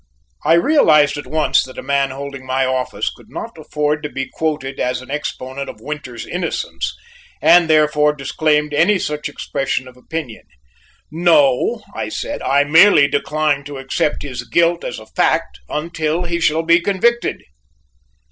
I realized at once that a man holding my office could not afford to be quoted as an exponent of Winters's innocence, and therefore disclaimed any such expression of opinion. "No," I said; "I merely decline to accept his guilt as a fact until he shall be convicted."